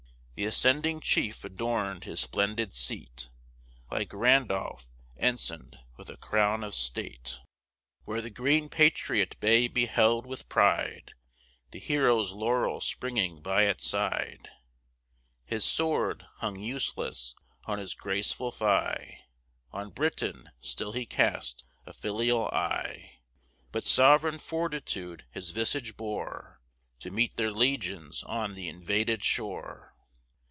Th' ascending chief adorn'd his splendid seat, Like Randolph, ensign'd with a crown of state; Where the green patriot bay beheld, with pride, The hero's laurel springing by its side; His sword, hung useless, on his graceful thigh, On Britain still he cast a filial eye; But sov'reign fortitude his visage bore, To meet their legions on th' invaded shore.